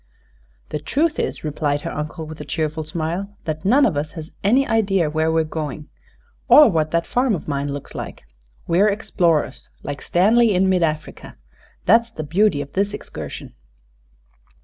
"The truth is," replied her uncle, with a cheerful smile, "that none of us has an idea where we're going, or what that farm of mine looks like. We're explorers, like Stanley in mid Africa. That's the beauty of this excursion."